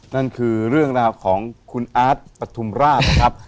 นั่นคือเรื่องราวของคุณอาร์ตปฐุมราชนะครับ